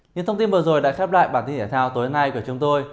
những thông tin vừa rồi đã khép lại bản tin thể thao tối nay của chúng tôi